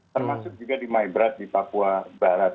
termasuk juga di maibrat di papua barat